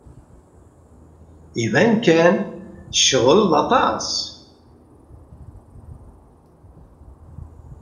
Iban kan tecɣel aṭas.